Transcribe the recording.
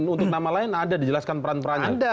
untuk nama lain ada dijelaskan peran perannya